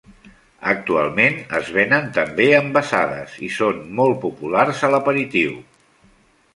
Actualment es vénen també envasades i són molt populars a l'aperitiu.